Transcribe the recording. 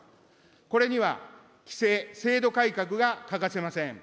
これには規制・制度改革が欠かせません。